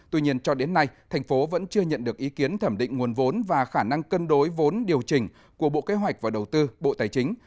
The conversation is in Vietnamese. tuy nhiên cho đến nay thành phố vẫn chưa nhận được ý kiến thẩm định nguồn vốn và khả năng cân đối vốn điều chỉnh của bộ kế hoạch và đầu tư bộ tài chính